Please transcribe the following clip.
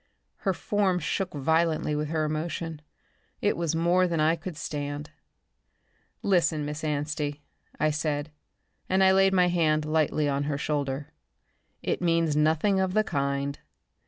Her form shook violently with her emotion. It was more than I could stand. "Listen, Miss Anstey," I said, and I laid my hand lightly on her shoulder. "It means nothing of the kind.